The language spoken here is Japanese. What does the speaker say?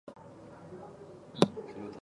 毛布にくるまって一日中ゴロゴロする